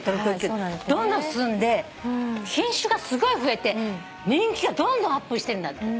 どんどん進んで品種がすごい増えて人気がどんどんアップしてるんだって。